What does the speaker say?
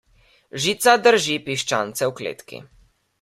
Žica drži piščance v kletki.